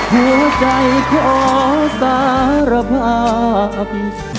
หัวใจขอสารภาพ